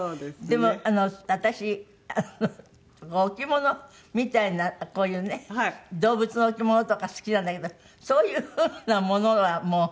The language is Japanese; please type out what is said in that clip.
でも私置物みたいなこういうね動物の置物とか好きなんだけどそういう風な物はもうダメですよね？